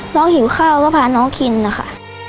หิวข้าวก็พาน้องกินนะคะ